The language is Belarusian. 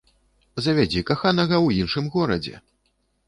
Завядзі каханага ў іншым горадзе!